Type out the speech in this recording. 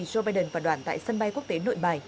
joe biden và đoàn tại sân bay quốc tế nội bài